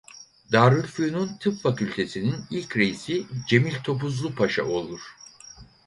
Darülfünun Tıp Fakültesinin ilk reisi Cemil Topuzlu Paşa olur.